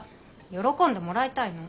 喜んでもらいたいの。